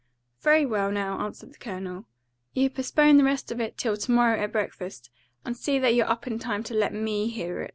"Very well, now," answered the Colonel. "You postpone the rest of it till to morrow at breakfast, and see that you're up in time to let ME hear it."